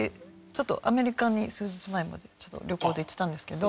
アメリカに数日前まで旅行で行ってたんですけど。